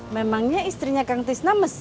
memangnya istrinya kang tisna mesin